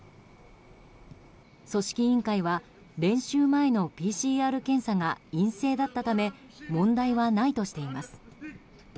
組織委員会は練習前のＰＣＲ検査が陰性だったため問題はないとしています。